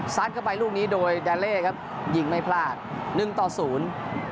เข้าไปลูกนี้โดยดาเล่ครับยิงไม่พลาดหนึ่งต่อศูนย์